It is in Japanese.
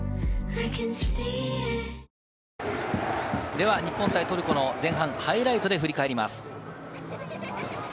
では日本対トルコの前半、ハイライトで振り返ります。